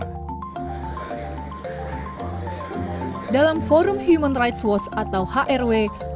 saya juga mengatakan bahwa pelanggaran hak asasi manusia yang berat memang terjadi di berbagai peristiwa